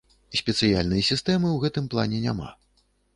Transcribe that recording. Спецыяльнай сістэмы ў гэтым плане няма.